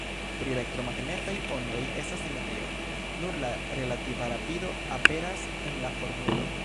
Pri elektromagnetaj ondoj estas simetrio, nur la relativa rapido aperas en la formulo.